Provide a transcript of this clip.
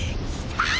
あっ。